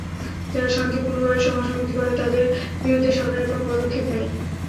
যারা শান্তিপূর্ণভাবে সভা সমিতি করে, তাদের বিরুদ্ধে সরকারের কোনো পদক্ষেপ নাই।